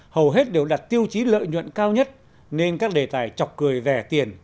hầu hết đều đặt tiêu chí lợi nhuận cao nhất nên các đề tài chọc cười vẻ tiền